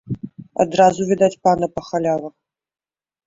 Адразу відаць пана па халявах.